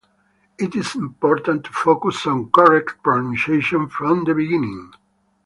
It is important to focus on correct pronunciation from the beginning.